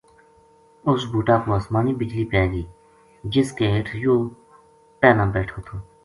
اس بُوٹا پو اسمانی بجلی پے گئی جس کے ہیٹھ یوہ پہلاں بیٹھو تھو